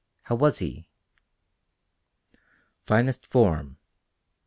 How was he?" "Finest form.